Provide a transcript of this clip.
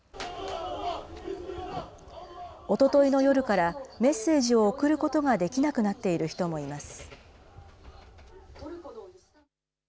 おとといの夜から、メッセージを送ることができなくなっている人もいます。